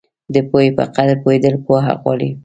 د پوهې په قدر پوهېدل پوهه غواړي.